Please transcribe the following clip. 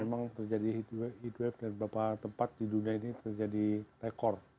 memang terjadi heatwave dari beberapa tempat di dunia ini terjadi rekor